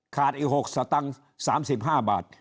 อีก๖สตังค์๓๕บาท